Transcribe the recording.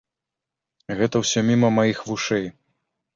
Гэта ўсё міма маіх вушэй.